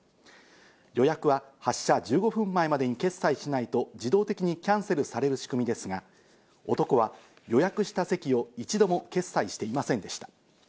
予約は発車１５分前までに決済しないと自動的にキャンセルされる仕組みですが、男は予約した席を一度も決済していませんでした。